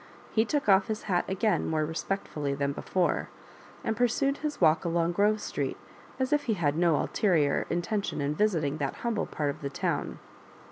He took off his hat again more respectfully than before, and pursued his walk along Grove Street, as if he had no ulterior in tention in visiting that humble part of the town.